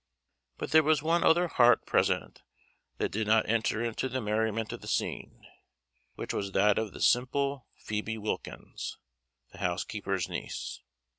But there was one other heart present that did not enter into the merriment of the scene, which was that of the simple Phoebe Wilkins, the housekeeper's niece.